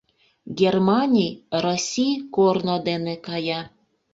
Германий Россий корно дене кая.